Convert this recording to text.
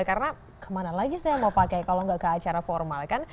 karena kemana lagi saya mau pakai kalau nggak ke acara formal kan